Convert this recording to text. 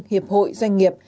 hiệp hội doanh nghiệp